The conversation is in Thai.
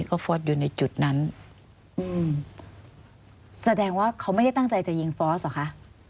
ก็ฟอสอยู่ในจุดนั้นอืมแสดงว่าเขาไม่ได้ตั้งใจจะยิงฟอสเหรอคะ